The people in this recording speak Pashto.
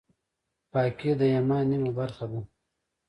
پاکي د ایمان نیمه برخه ده.